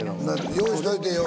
用意しといて。